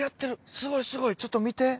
すごいすごいちょっと見て。